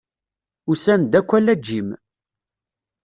Usan-d akk ala Jim.